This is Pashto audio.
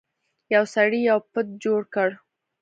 یو سړي یو بت جوړ کړ.